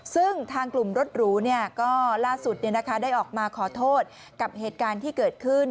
ซึ่งทางกลุ่มรถหรูก็ล่าสุดได้ออกมาขอโทษกับเหตุการณ์ที่เกิดขึ้น